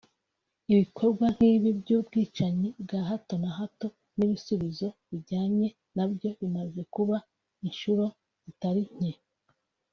Ibikorwa nk’ibi by’ubwicanyi bwa hato na hato n’ibisubizo bijyanye nabyo bimaze kuba inshuro zitari nke